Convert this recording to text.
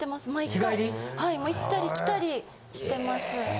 行ったり来たりしてます。